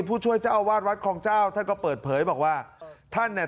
ผู้ช่วยเจ้าอาวาสวัดคลองเจ้าท่านก็เปิดเผยบอกว่าท่านเนี่ย